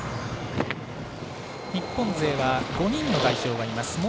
日本勢は５人の代表がいます。